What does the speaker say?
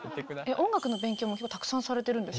音楽の勉強もたくさんされてるんです？